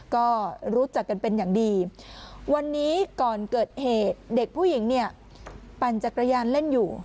ก็รู้จักกันเป็นอย่างดีวันนี้ก่อนเกิดเหตุเด็กผู้หญิงเนี่ยปั่นจักรยานเล่นอยู่